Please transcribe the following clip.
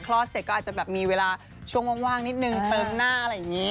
เสร็จก็อาจจะแบบมีเวลาช่วงว่างนิดนึงเติมหน้าอะไรอย่างนี้